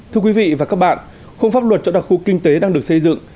thưa quý vị và các bạn khung pháp luật cho đặc khu kinh tế đang được xây dựng